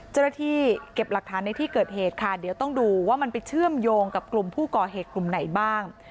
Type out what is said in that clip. เจ้าหน้าที่เก็บหลักฐานในที่เกิดเหตุค่ะเดี๋ยวต้องดูว่ามันไปเชื่อมโยงกับกลุ่มผู้ก่อเหตุกลุ่มไหนบ้าง